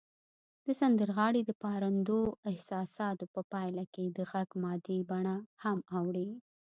د سندرغاړي د پارندو احساساتو په پایله کې د غږ مادي بڼه هم اوړي